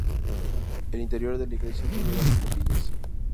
El interior de la iglesia tiene varias capillas.